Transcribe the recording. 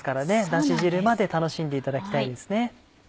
だし汁まで楽しんでいただきたいですね。